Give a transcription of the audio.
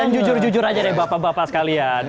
dan jujur jujur aja deh bapak bapak sekalian